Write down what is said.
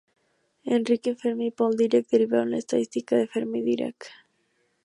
Enrico Fermi y Paul Dirac, derivaron la estadística de Fermi-Dirac.